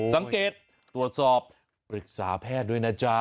สังเกตตรวจสอบปรึกษาแพทย์ด้วยนะจ๊ะ